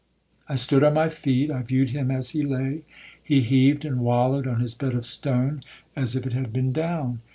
I stood on my feet, I viewed him as he lay. He heaved and wallowed on his bed of stone, as if it had been down.